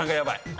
はい。